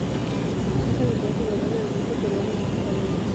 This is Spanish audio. Es habitual jugador del equipo peruano de Copa Davis.